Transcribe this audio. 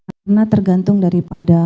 karena tergantung dari panggilan